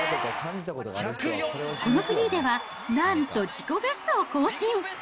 このフリーでは、なんと自己ベストを更新。